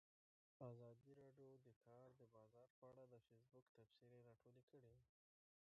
ازادي راډیو د د کار بازار په اړه د فیسبوک تبصرې راټولې کړي.